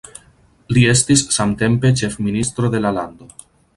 Li estis samtempe ĉefministro de la lando.